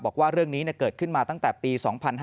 บอกว่าเรื่องนี้เกิดขึ้นมาตั้งแต่ปี๒๕๕๙